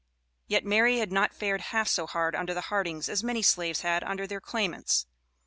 Yet Mary had not fared half so hard under the Hardings as many slaves had under their claimants.